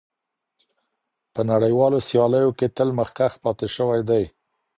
په نړیوالو سیالیو کې تل مخکښ پاتې شوی دی.